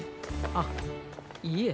あっいえ。